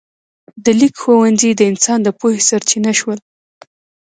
د لیک ښوونځي د انسان د پوهې سرچینه شول.